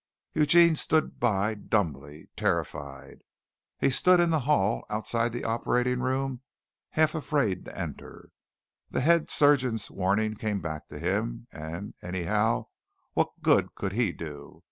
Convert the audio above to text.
Eugene stood by dumbly, terrified. He stood in the hall, outside the operating room, half afraid to enter. The head surgeon's warning came back to him, and, anyhow, what good could he do?